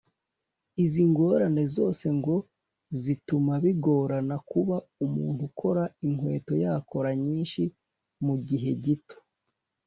Izi ngorane zose ngo zituma bigorana kuba umuntu ukora inkweto yakora nyinshi mu gihe gito